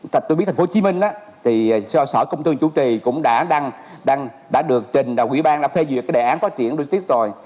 tại tôi biết thành phố hồ chí minh á thì sở công thương chủ trì cũng đã đăng đã được trình và quỹ ban đã phê duyệt cái đề án phát triển logistics rồi